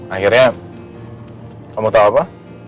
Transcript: akhirnya kamu tau apa